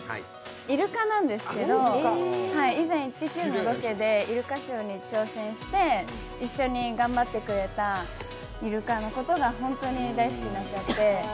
イルカなんですけど、以前「イッテＱ！」のロケでイルカショーに挑戦して一緒に頑張ってくれたイルカのことがイルカのことが本当に大好きになっちゃって。